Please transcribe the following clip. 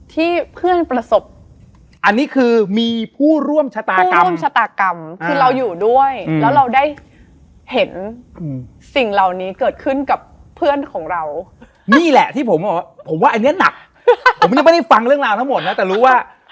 ทีนี้ทุกคนเขาก็กระจ่ายตัว